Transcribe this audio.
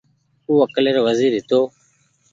او اڪلي رو وزير هيتو